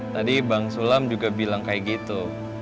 tadi bang sulam juga bilang kayak gitu